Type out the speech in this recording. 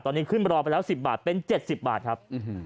ตอนนี้ขึ้นรอไปแล้ว๑๐บาทเป็น๗๐บาทครับ